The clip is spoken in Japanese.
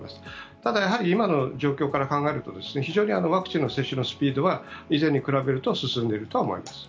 ただ、やはり今の状況から考えると非常にワクチンの接種のスピードは以前に比べると進んでいるとは思います。